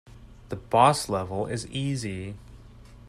The boss level is easy.